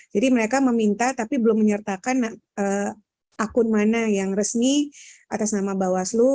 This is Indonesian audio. jadi mereka meminta tapi belum menyertakan akun mana yang resmi atas nama bawaslu